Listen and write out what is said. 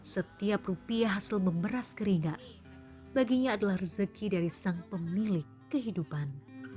setiap rupiah hasil memeras keringat baginya adalah rezeki dari sang pemilik kehidupan